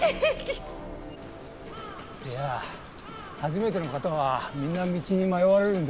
いやあ初めての方はみんな道に迷われるんですよ。